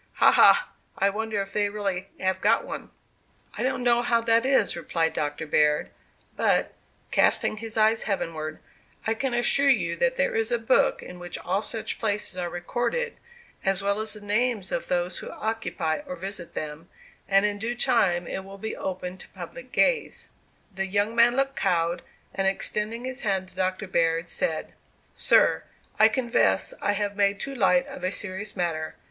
Ha! ha! I wonder if they have really got one?" "I don't know how that is," replied Doctor Baird; "but," casting his eyes heavenward, "I can assure you there is a book in which all such places are recorded, as well as the names of those who occupy or visit them; and in due time it will be opened to public gaze." The young man looked cowed, and extending his hand to Doctor Baird, said: "Sir, I confess I have made too light of a serious matter.